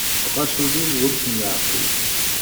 Ɣas ul-iw ur kem-yeɛqil.